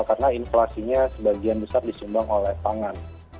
karena inflasinya sebagian besar disumbang oleh pangan